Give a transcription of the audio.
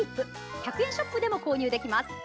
１００円ショップでも購入できます。